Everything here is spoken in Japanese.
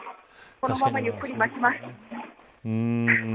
このままゆっくり待ちます。